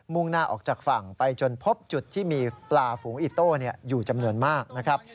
่งหน้าออกจากฝั่งไปจนพบจุดที่มีปลาฝูงอิโต้อยู่จำนวนมากนะครับ